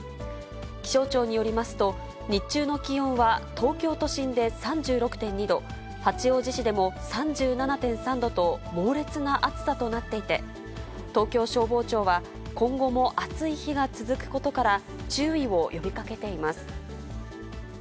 気象庁によりますと、日中の気温は東京都心で３６．２度、八王子市でも３７．３度と、猛烈な暑さとなっていて、東京消防庁は、今後も暑い日が続くことから、注意を呼びかけています。